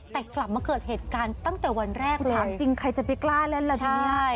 แตกกลับมาเกิดเหตุการณ์ตั้งแต่วันแรกเลยคุณถามจริงใครจะไปกล้าแล้วหลังจากนี้